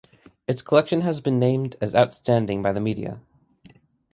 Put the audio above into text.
Its collection has been named as outstanding by the media.